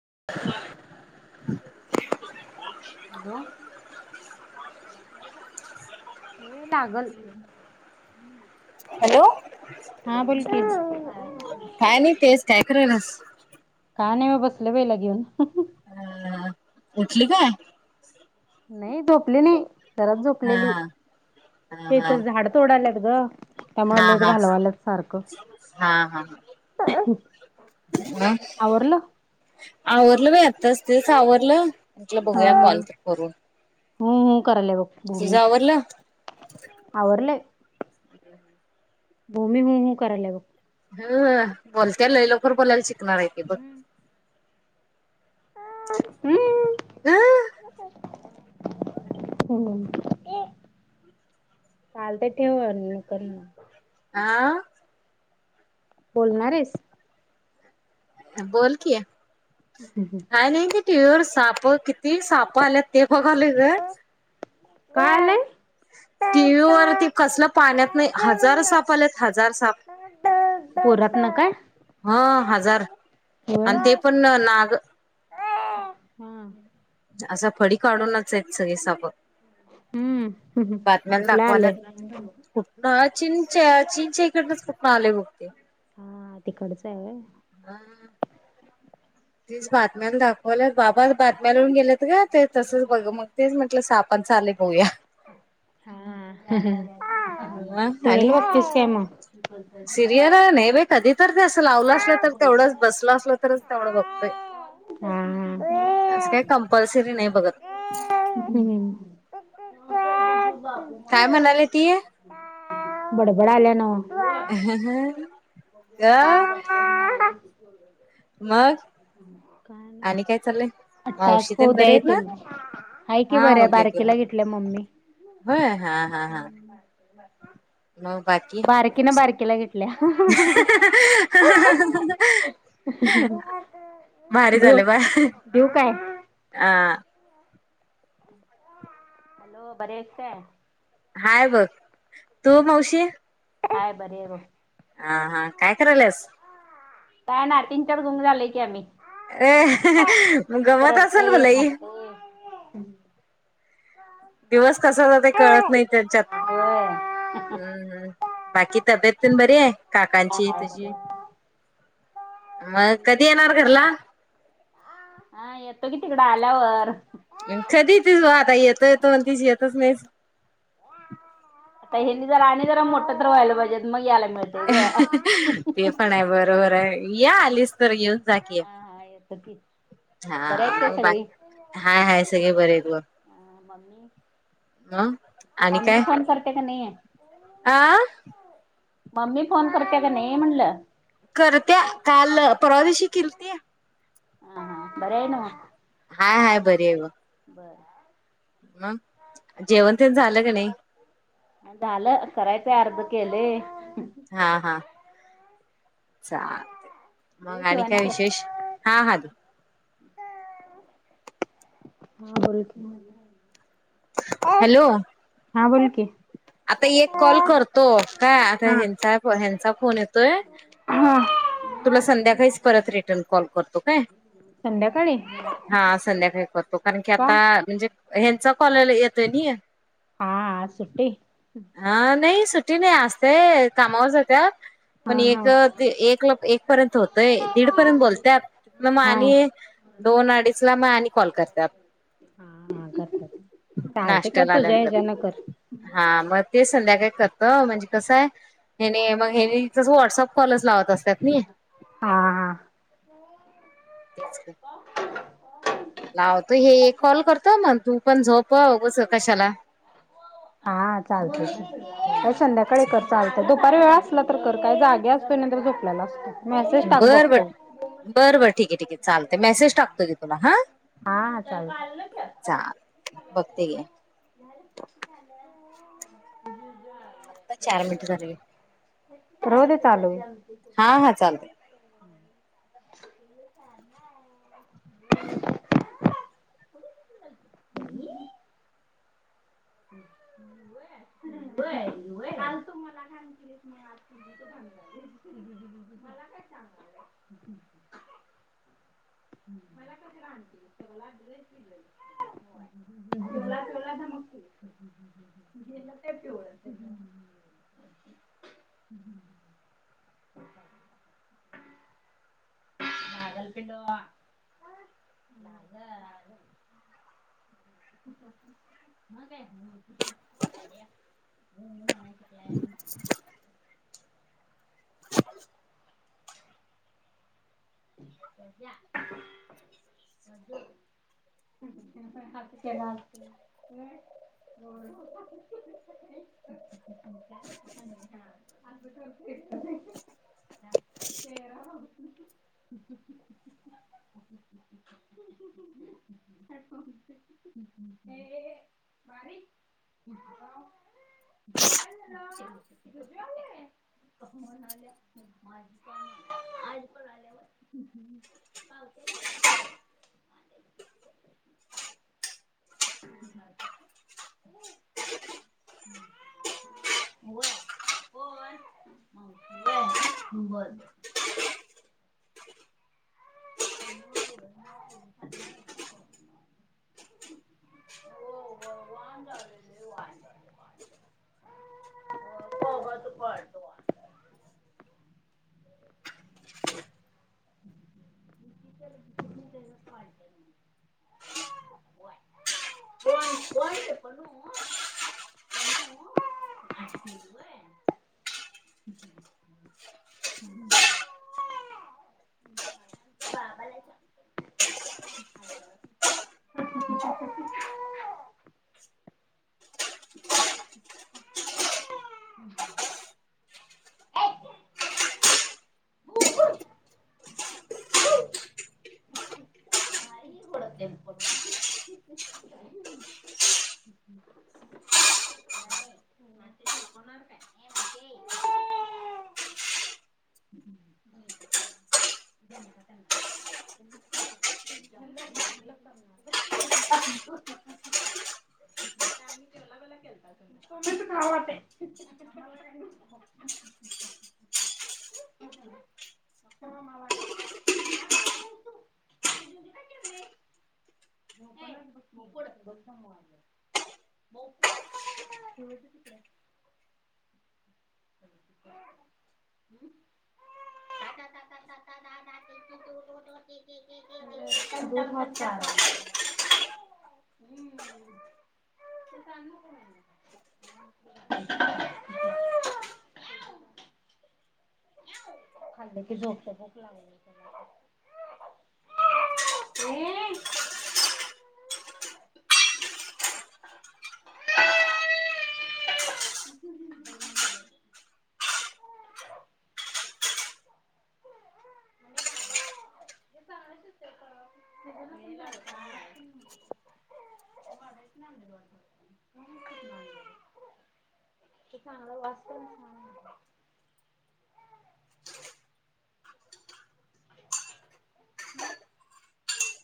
[inaudible] Hello! हे लागल. Hello! हा, बोलकी! काय नाही, तेच काय करायलास? का नाही म बसले, पहिला घेऊन. अ उठली काय? नाही, झोपलेली जरात हा झोपलेली. हा ते हा तर झाड तोडयालात ग, त्यामुळे हा लेट हा घालवाल्यात सारखं. ह. अ आवरवरलं बा आत्ताच! तेच आवरलं, म्हटला बघूया कॉन्ट्रॅक्ट करून. हुं हुं, करायला बघ. तुझा आवरलं? आवरले? [inaudible] भूमी, हू हू कराय लागलं. ह बोलते, ल लवकर बोलायला शिकणार आहे, ते बघ. हम् हम् [inaudible] चालत ठेवा, [unintelligible] हा. बोलणार आहेस? बोल कि. [inaudible] आणि [unintelligible] टिव्हीवर साप किती साप आल्यात ते बघायलोय ग. काय आलंय? टिव्ही वरती कसलं पाण्यात नाही हजार साप आलेत हजार साप. पोरात ना काय? हा, हजार होय आणि हा ते पण नाग. असा फडी काढूनच आहेत, सगळे साप. हम्म हम् हम् बातम्याला कुठल दाखवायला आलेय? चीनच्या चीनच्या इकडनच कुठन आले बघ ते. हा तिकडचा आहे होय? हा तीच बातम्याला दाखवायल्यात बाबा आज बातम्या लाऊन गेल्यात ग. ते तसंच बघ मग तेच म्हटलं सापांच आलंय बघुया. हं ह टिव्हीला बघतीस काय मग? सिरियर नाही बाई कधी तर ते असं लावलं असलं तर तेवढंच बसलं असलं तरच तेवढं बघतोय. हम्म. असं काय कंपल्सरी नाही बघत. हम्म. काय म्हणाल्या ती? बड बडाल्या न्हवं. आ? मग काय आणि काय नाही चाललंय? मावशी टास्क तेन उद्या बरे आहेत ना येतील. हाय की हा बरं उद्या येतील बारकीला घेतल्या मम्मी. होय हा हा हा. मग बाकी [unintelligible] बारकीन बारकीला घेतल्या. [unintelligible] भारी देऊ झाले बा. देऊ काय? अ ह. हॅलो बरी आहेस काय? हाय बघ, तू मावशी? हाय बरी हाय बघ. हा हा काय करायल्यास? काय नातींच्यात गुंग झालोय की आम्ही. अ एक गमत असंल रडतय मग‌ एक लई? हसतय. दिवस कसा जातोय कळत नाही त्यांच्यात होय. हम्म. बाकी तब्येत तेन बरी आहे. हाय काकांची हाय बरी तुझी.. आहे. मग कधी येणार घरला. हा येतो की तिकडं आल्यावर. कधी येतीस बघ आता. येतो येतो म्हणतीस येतच नाहीस. आता हेंनी जरा आणि जरा मोठं तर व्हायला पाहिजे, मग याला मिळलं. ते पण आहे बरोबर आहे, या आलीस तर येऊन जा की. हा हा येत की. बरे हा आहेत काय मग बाक सगळी? हाय हाय सगळे बरे आहेत बघ. मम्मी? ह आणि काय फोन करते का नाही? आ... मम्मी फोन करते का नाही म्हणलं. करत्या काल परवा दिवशी किलती. हा.. बर हाय नव्हं. हाय हाय बरी आहे बघ. बर. मग जेवण तेन झालं का नाही? झालं करायचंय अर्ध केलंय. हा हा चालतंय. मग देऊ आणि काय विशेष? शिवानीकडं? हा हा दे. हा [unintelligible] हॅलो. हा बोल की, आता एक कॉल करतो काय, आता हा यांचा ह्यांचा फोन येतोय. हा. तुला संध्याकाळीच परत रिटर्न कॉल करतो काय. संध्याकाळी का? हा संध्याकाळी करतो, कारण की आता म्हणजे ह्यांचा कॉल येतोय नई. हा आज सुट्टी? हा नाही सुट्टी नाही आज ते कामावर जात्यात, हा पण हा हा एक ते एकला एक पर्यंत होतंय, दीड पर्यंत बोलत्यात मग हा आणि दोन अडीचला मग आणि कॉल करत्यात. हा हा कर कर चालतंय. कर नाश्त्याला तुझ्या आल्यानंतर हेज्यानं कर. हा मग ते संध्याकाळी करतो. म्हणजे कसं आहे हेनी मग हेनी तेज व्हॉट्सअप कॉलच लावत अस हा हा. तेच की. लावतो हे एक कॉल करतो, मग तू पण झोप उगच कशाला. हा चालतेस हो संध्या कर कर चालतंय. दुपारी वेळ असला तर कर काय जागी असतोय नाही तर झोपल्यालो असतोय. मेसेज टाक बरं बर बघतो बरं बरं ठीक आहे ठीक आहे चालतंय. मेसेज टाकतो की तुला हां. हा हा चालतंय. चालतंय बघते घे. [inaudible] आता चार मिनिटं झाली. रोज हे चालू आहे. हा हा चालतंय. [inaudible] [inaudible] होय होय. काल तु मला घाण केलीस मग आज तुझी ती घाण झालीस. मला काय सांगितल्यास. हम्म. [inaudible] [inaudible] हम्म हम्म. लागलं पिलू लागलं. मग काय [unintelligible] हं हं म्हणायला शिकलाय आणि [unintelligible] [unintelligible] होय. [unintelligible] [unintelligible] [unintelligible] काल [inaudible] [unintelligible] [inaudible] [inaudible] होय. कोण माऊशी होय बर बर. [unintelligible] [inaudible] [unintelligible] कोण ते पनू, पनू.. [unintelligible] बाबा आलाय की. [inaudible] [inaudible] ् [unintelligible] [unintelligible] होणार काय? हे माहिती आहे. ज्यांच त्यांना. [unintelligible] तुम्हीच खावा ते. ये [unintelligible] [unintelligible] [unintelligible] के के के के.. [unintelligible] [unintelligible] खाल्लं की झोपतय. झोप लागली [unintelligible] ये [unintelligible] [unintelligible] [inaudible] ते चांगलंय वाच तर. हम्म.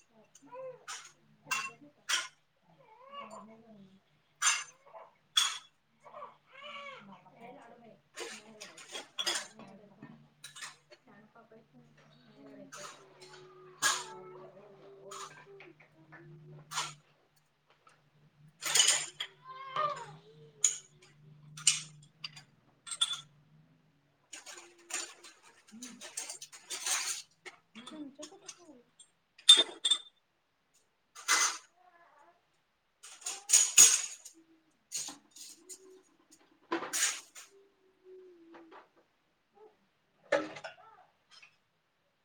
ह [unintelligible] [inaudible] [inaudible] [unintelligible] हम्म. हम्म. चमचा कुठे ठेवला? [inaudible] [unintelligible]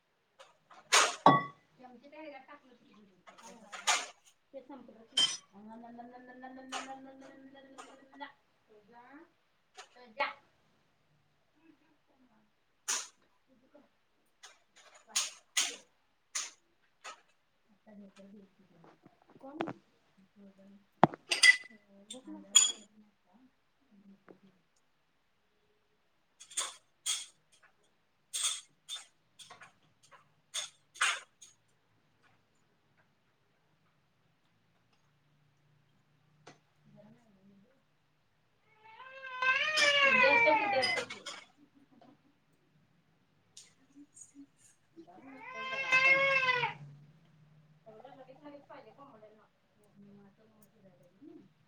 जमते काय हेज्यात टाकलं [unintelligible] [unintelligible] [unintelligible] [unintelligible] [unintelligible] [inaudible] [unintelligible]